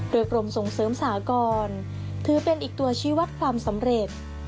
โดยกรมส่งเสริมสหกรถือเป็นอีกตัวชีวัตรความสำเร็จ